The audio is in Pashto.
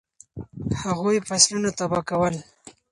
هغوی فصلونه تباه کول.